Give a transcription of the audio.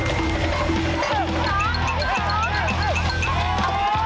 อีกแล้ว